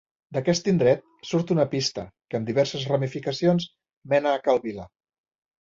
D'aquest indret surt una pista que, amb diverses ramificacions, mena a Cal Vila.